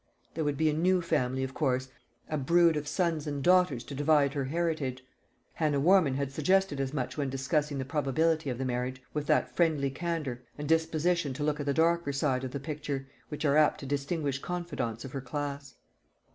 There would be a new family, of course; a brood of sons and daughters to divide her heritage. Hannah Warman had suggested as much when discussing the probability of the marriage, with that friendly candour, and disposition to look at the darker side of the picture, which are apt to distinguish confidantes of her class.